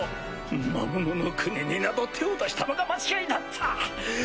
魔物の国になど手を出したのが間違いだった！